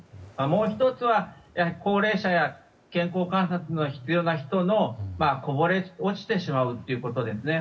もう１つは高齢者や健康観察の必要な人のこぼれ落ちてしまうということですよね。